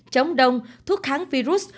chống đông thuốc kháng virus